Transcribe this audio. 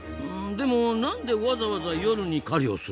でも何でわざわざ夜に狩りをするの？